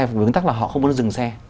vùng đường tắc là họ không muốn dừng xe